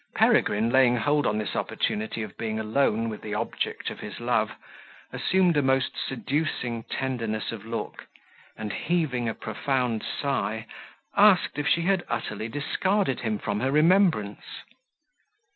Peregrine, laying hold on this opportunity of being alone with the object of his love, assumed a most seducing tenderness of look, and, heaving a profound sigh, asked if she had utterly discarded him from her remembrance.